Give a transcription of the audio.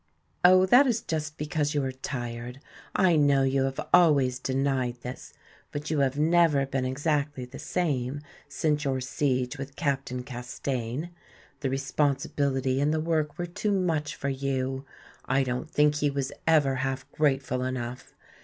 "Oh, that is just because you are tired. I know you have always denied this, but you have never been exactly the same since your siege with Captain Castaigne. The responsibility and the work were too much for you. I don't think he was ever half grateful enough!